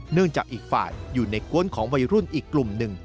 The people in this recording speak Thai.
เนื่องจากอีกฝ่ายอยู่ในกวนของวัยรุ่นอีกกลุ่มหนึ่ง